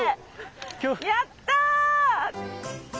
やった！